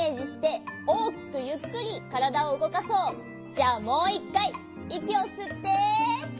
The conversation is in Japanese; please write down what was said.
じゃあもういっかいいきをすって。